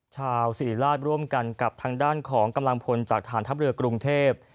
ชาวสิริราชร่วมกันกับทางด้านของกำลังพลจากฐานทัพเรือกรุงเทพ